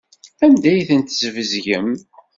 Anda ay tent-tesbezgem?